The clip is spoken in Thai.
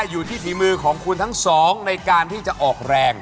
อยู่ที่ฝีมือของคุณทั้งสองในการที่จะออกแรง